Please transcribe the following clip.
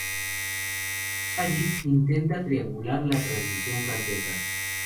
Sayid intenta triangular la transmisión francesa.